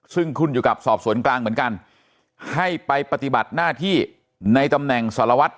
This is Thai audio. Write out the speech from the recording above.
ซึ่งคุณอยู่กับสอบสวนกลางเหมือนกันให้ไปปฏิบัติหน้าที่ในตำแหน่งสารวัตร